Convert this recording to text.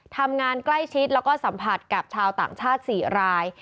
ทำงานใกล้ชิดแล้วก็สัมผัสกับชาวต่างชาติ๔ราย